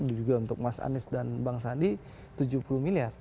dan juga untuk mas anies dan bang sandi tujuh puluh miliar